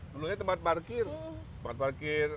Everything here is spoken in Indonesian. dulu itu tempat parkir